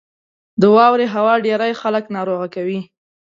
• د واورې هوا ډېری خلک ناروغ کوي.